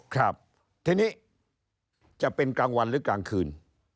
ครับทีนี้จะเป็นกลางวันหรือกลางคืน